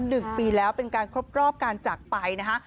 หนึ่งปีแล้วเป็นการครบรอบการจากไปนะคะ